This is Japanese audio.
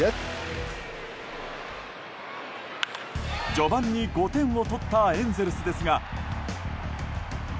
序盤に５点を取ったエンゼルスですが。